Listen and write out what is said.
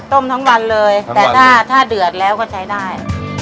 ทั้งวันเลยแต่ถ้าเดือดแล้วก็ใช้ได้